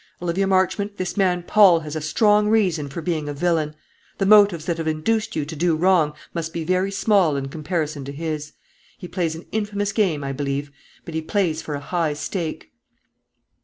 Olivia Marchmont, this man Paul has a strong reason for being a villain. The motives that have induced you to do wrong must be very small in comparison to his. He plays an infamous game, I believe; but he plays for a high stake."